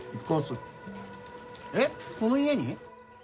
えっその家に！？